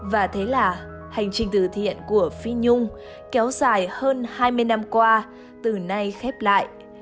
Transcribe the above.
và thế là hành trình từ thiện của phi nhung kéo dài hơn hai mươi năm qua từ nay khép lại